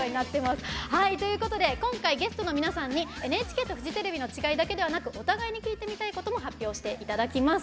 ということで今回、ゲストの皆さんに「ＮＨＫとフジテレビのちがい」だけではなくお互いに聞いてみたいことも発表していただきます。